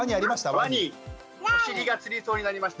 お尻がつりそうになりました。